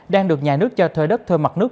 đang được nhà nước cho thuê đất thuê mặt nước